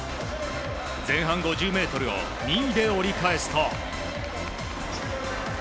前半５０ｍを２位で折り返すと。